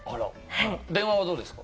電話はどうですか？